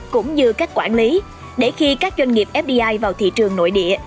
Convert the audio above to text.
cũng như cách quản lý để khi các doanh nghiệp fdi vào thị trường nội địa